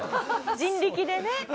人力でね。